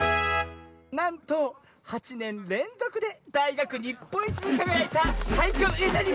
なんと８ねんれんぞくでだいがくにっぽんいちにかがやいたさいきょうなに？